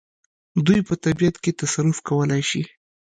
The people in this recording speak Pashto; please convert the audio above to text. دوی په طبیعت کې تصرف کولای شي.